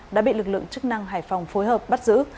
đã bị lực lượng chức năng hải phòng phối hợp bắt giữ